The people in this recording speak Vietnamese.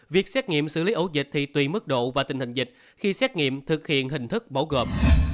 việc xét nghiệm xử lý ổ dịch thì tùy mức độ và tình hình dịch khi xét nghiệm thực hiện hình thức bổ gồm